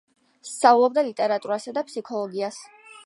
სწავლობდა ლიტერატურასა და ფსიქოლოგიას.